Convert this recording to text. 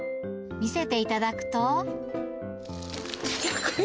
見せていただくと。